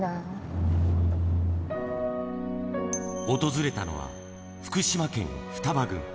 訪れたのは、福島県双葉郡。